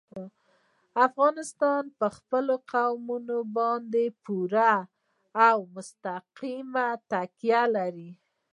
افغانستان په خپلو قومونه باندې پوره او مستقیمه تکیه لري.